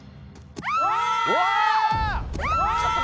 うわ！